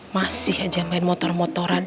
masih aja main motor motoran